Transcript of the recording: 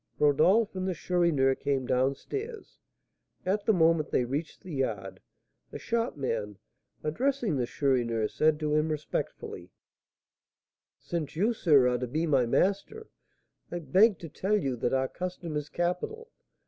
Rodolph and the Chourineur came down stairs. At the moment they reached the yard, the shopman, addressing the Chourineur, said to him, respectfully: "Since you, sir, are to be my master, I beg to tell you that our custom is capital.